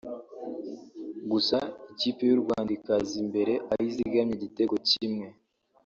gusa ikipe y’u Rwanda ikaza imbere aho izigamye igitego kimwe